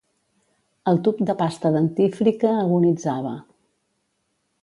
El tub de pasta dentífrica agonitzava.